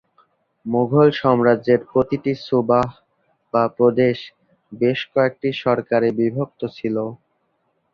মুঘল সাম্রাজ্যের প্রতিটি সুবাহ বা প্রদেশ বেশ কয়েকটি সরকারে বিভক্ত ছিল।